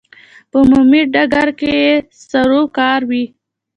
په عمومي ډګر کې یې سروکار وي.